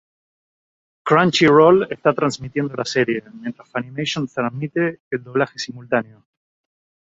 Crunchyroll está transmitiendo la serie, mientras Funimation transmite el doblaje simultáneo.